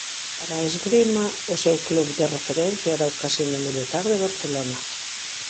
Para a esgrima o seu club de referencia era o Casino Militar de Barcelona.